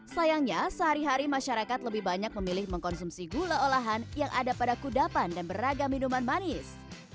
sayangnya sehari hari masyarakat lebih banyak memilih mengkonsumsi gula olahan yang ada pada kudapan dan beragam minuman manis